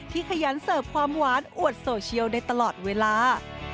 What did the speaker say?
ขยันเสิร์ฟความหวานอวดโซเชียลได้ตลอดเวลา